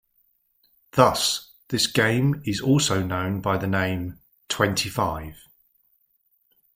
Thus this game is also known by the name "Twenty-Five".